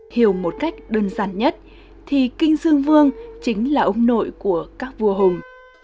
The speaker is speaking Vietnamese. hiểu một cách đơn giản nhất thì kinh dương vương chính là ông nội của các vua hùng